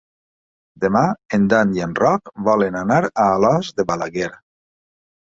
Demà en Dan i en Roc volen anar a Alòs de Balaguer.